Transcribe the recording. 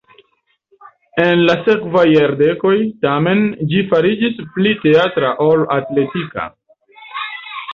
En la sekvaj jardekoj, tamen, ĝi fariĝis pli teatra ol atletika.